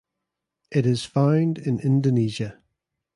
It is found in Indonesia.